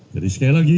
jadi sekali lagi